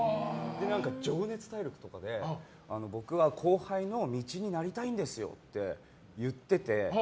「情熱大陸」とかで僕は後輩の道になりたいんですよって言ってて。